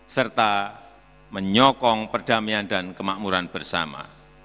serta menyokong perdamaian dan kemakmuran bersama